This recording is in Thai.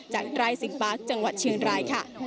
ใกล้ซิงปาร์คจังหวัดเชียงรายค่ะ